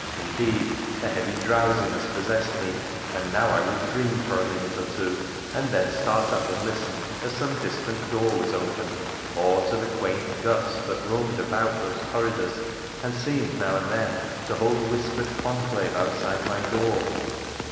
Instead, a heavy drowsiness possessed me, and now I would dream for a minute or two, and then start up and listen as some distant door was opened, or to the quaint gusts that roamed about those corridors and seemed now and then to hold whispered conclave outside my door.